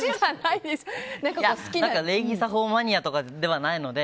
礼儀作法マニアとかではないので。